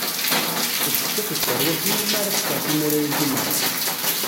D kečč akked tarwa-k iwumi ara fkeɣ timura-agi meṛṛa.